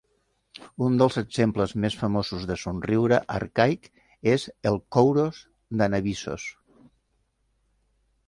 Un dels exemples més famosos de somriure arcaic és el Koúros d'Anàvissos.